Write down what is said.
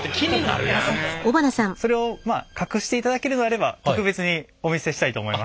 それをまあ隠していただけるのであれば特別にお見せしたいと思います。